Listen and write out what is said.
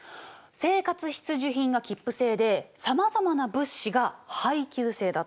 生活必需品が切符制でさまざまな物資が配給制だった。